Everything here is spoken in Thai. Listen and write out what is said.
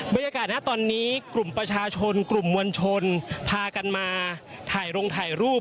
บรรยากาศนะตอนนี้กลุ่มประชาชนกลุ่มมวลชนพากันมาถ่ายลงถ่ายรูป